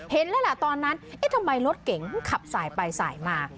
เห็นแล้วล่ะตอนนั้นเอ๊ะทำไมรถเก่งขับสายไปสายมา